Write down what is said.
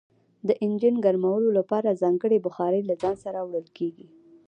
د انجن ګرمولو لپاره ځانګړي بخارۍ له ځان سره وړل کیږي